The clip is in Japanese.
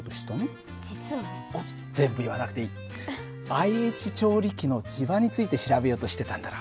ＩＨ調理器の磁場について調べようとしてたんだろう？